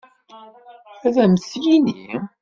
Ad am-t-yini.